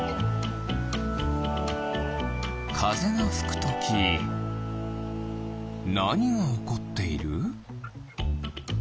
かぜがふくときなにがおこっている？